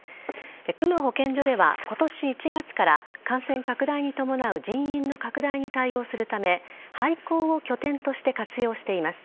区の保健所では今年１月から感染拡大に伴う人員の拡大に対応するため廃校を拠点として活用しています。